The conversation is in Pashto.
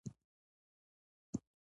د سر درد لپاره د کوم شي غوړي وکاروم؟